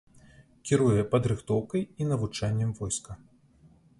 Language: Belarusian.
Кіруе падрыхтоўкай і навучаннем войска.